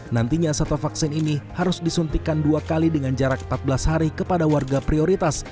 nantinya satu vaksin ini harus disuntikan dua kali dengan jarak empat belas hari kepada warga prioritas